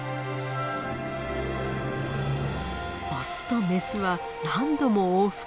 オスとメスは何度も往復。